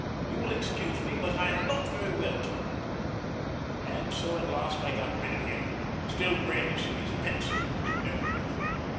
You will excuse me, but I am not very well to night." And so at last I got rid of him, still brandishing his pencil and his note book.